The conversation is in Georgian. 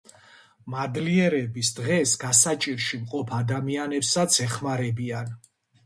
მადლიერების დღეს გასაჭირში მყოფ ადამიანებსაც ეხმარებიან.